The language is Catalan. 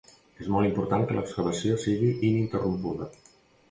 És molt important que l'excavació sigui ininterrompuda.